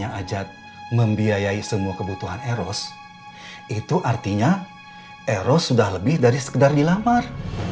yang ajat membiayai semua kebutuhan eros itu artinya eros sudah lebih dari sekedar dilapar